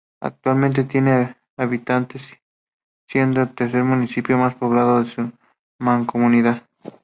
Actualmente tiene habitantes, siendo el tercer municipio más poblado de su mancomunidad.